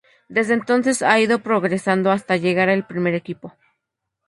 Desde entonces ha ido progresando hasta llegar al primer equipo.